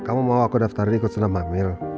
sa kamu mau aku daftarin ikut senam hamil